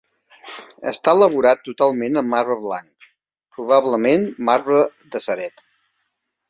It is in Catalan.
Està elaborat totalment amb marbre blanc, probablement marbre de Ceret.